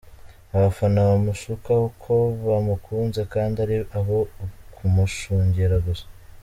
Abafana bamushuka ko bamukunze kandi ari abo kumushungera gusa.